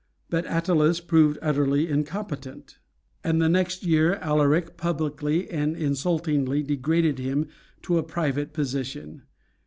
But Attalus proved utterly incompetent, and the next year Alaric publicly and insultingly degraded him to a private position.